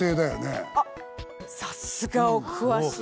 あっさすがお詳しい。